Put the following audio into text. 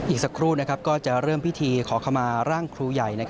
อีกสักครู่ก็จะเริ่มพิธีขอขมาร่างครูใหญ่